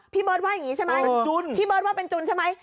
พี่เบิร์ดว่าเป็นจุนใช่ไหม